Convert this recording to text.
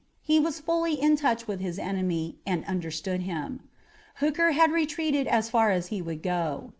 He was fully in touch with his enemy and understood him. Hooker had retreated as far as he would go.